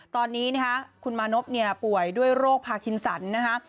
ตอนนี้นะคะคุณมานพป่วยด้วยโรคพาคินสันนะคะ